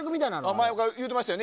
前から言うてましたよね。